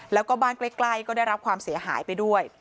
แล้วก็บ้านใกล้ก็ได้รับความเสียหายไปด้วย